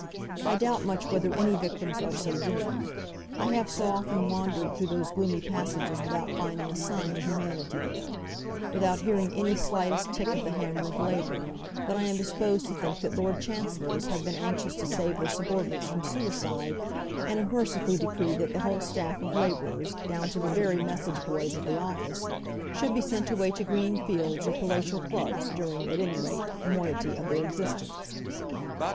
I doubt much whether any victims are so doomed. I have so often wandered through those gloomy passages without finding a sign of humanity there, without hearing any slightest tick of the hammer of labour, that I am disposed to think that Lord Chancellors have been anxious to save their subordinates from suicide, and have mercifully decreed that the whole staff of labourers, down to the very message boys of the office, should be sent away to green fields or palatial clubs during, at any rate, a moiety of their existence.